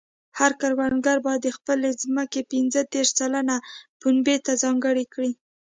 هر کروندګر باید د خپلې ځمکې پنځه دېرش سلنه پنبې ته ځانګړې کړي.